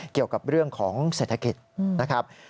เกี่ยวกับเรื่องของเศรษฐกิจนะครับ